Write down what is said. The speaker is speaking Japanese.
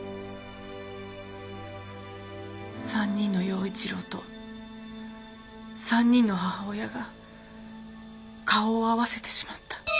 ３人の耀一郎と３人の母親が顔を合わせてしまった。